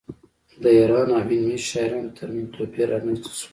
د ایران او هند میشتو شاعرانو ترمنځ توپیر رامنځته شو